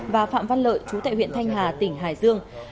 và phạm văn lợi chú tại huyện thanh hà tỉnh hải dương